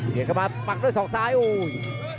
เข้ามาปักด้วยศอกซ้ายโอ้ย